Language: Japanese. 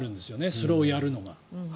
それをやるのが。